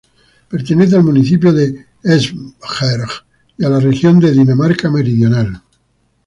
Pertenece al municipio de Esbjerg y a la región de Dinamarca Meridional.